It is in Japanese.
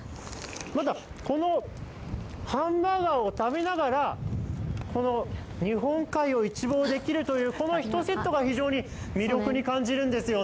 また、このハンバーガーを食べながらこの日本海を一望できるというこの１セットが非常に魅力に感じるんですよね。